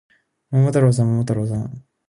桃太郎さん、桃太郎さん